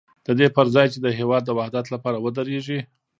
د دې پر ځای چې د هېواد د وحدت لپاره ودرېږي.